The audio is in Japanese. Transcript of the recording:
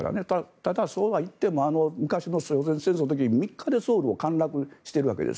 ただ、そうはいっても昔の朝鮮戦争の時に３日でソウルを陥落しているわけです。